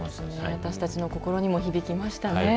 私たちの心にも響きましたね。